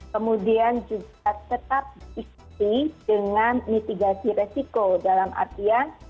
kemudian juga tetap diikuti dengan mitigasi resiko dalam artian